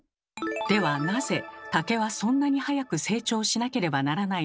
ではなぜ竹はそんなに早く成長しなければならないのでしょうか？